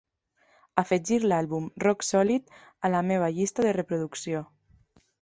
Afegir l'àlbum Rock Solid a la meva llista de reproducció